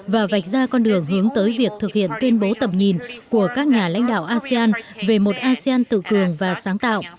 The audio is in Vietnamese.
và vạch ra con đường hướng tới việc thực hiện tuyên bố tầm nhìn của các nhà lãnh đạo asean về một asean tự cường và sáng tạo